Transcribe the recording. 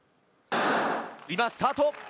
今、スタート。